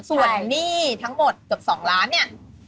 ส่วนหนี้ทั้งหมดเกือบ๒ล้านเนี่ย